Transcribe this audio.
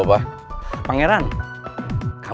udah ngeri ngeri aja